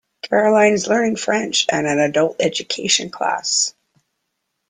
Caroline is learning French at an adult education class